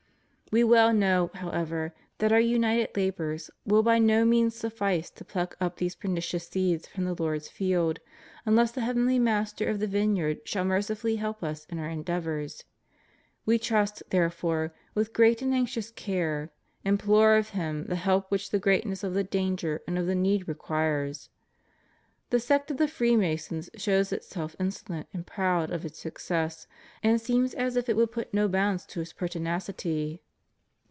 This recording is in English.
We well know, however, that our united labors will by no means suffice to pluck up these pernicious seeds from the Lord's field, unless the Heavenly Master of the vine yard shall mercifully help us in our endeavors. We must, therefore, with great and anxious care, implore of Him the help which the greatness of the danger and of the need requires. The sect of the Freemasons shows itself insolent and proud of its success, and seems as if it would put no bounds to its pertinacity.